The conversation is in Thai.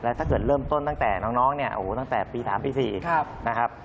ถ้าเกิดเริ่มต้นตั้งแต่น้องเนี่ยโอ้โหตั้งแต่ปี๓ปี๔นะครับ